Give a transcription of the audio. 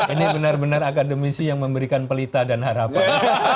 ini benar benar akademisi yang memberikan pelita dan harapan